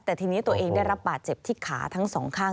แต่ทีนี้ตัวเองได้รับบาดเจ็บที่ขาทั้งสองข้าง